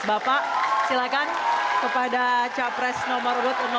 bapak silahkan kepada capres nomor dua ratus dua